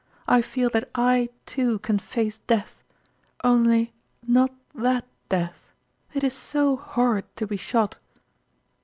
I feel that I, too, can face death ; only not that death it is so horrid to be shot